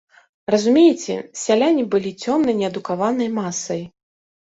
Разумееце, сяляне балі цёмнай неадукаванай масай.